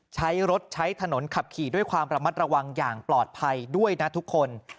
ใช้รถใช้ถนนขับขี่ด้วยความระมัดระวังอย่างปลอดภัยด้วยนะทุกคน